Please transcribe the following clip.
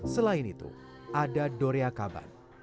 selain itu ada dorea kaban